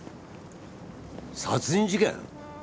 殺人事件！？